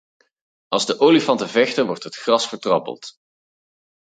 Als de olifanten vechten wordt het gras vertrappeld.